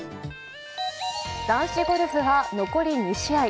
男子ゴルフは残り２試合。